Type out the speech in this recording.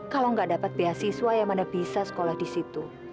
kalau nggak dapat beasiswa ya mana bisa sekolah di situ